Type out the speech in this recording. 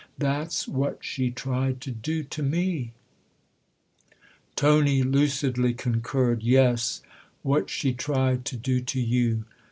That's what she tried to do to me !" Tony lucidly concurred. " Yes what she tried to do to you."